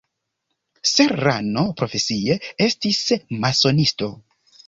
Serrano profesie estis masonisto.